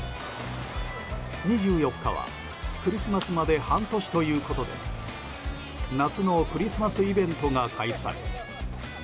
２４日はクリスマスまで半年ということで夏のクリスマスイベントが開催。